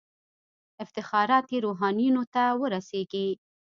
افتخارات یې روحانیونو ته ورسیږي.